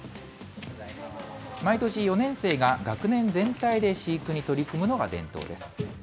毎年４年生が学年全体で飼育に取り組むのが伝統です。